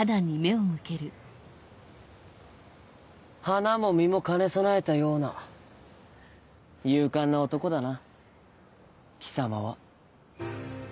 花も実も兼ね備えたような勇敢な男だな貴様は。